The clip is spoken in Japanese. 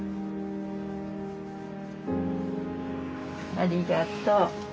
ありがとう。